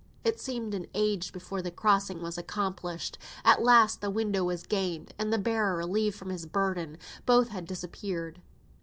It seemed an age before the crossing was accomplished. At last the window was gained; the bearer relieved from his burden; both had disappeared.